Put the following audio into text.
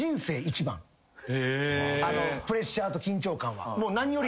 プレッシャーと緊張感は。何より。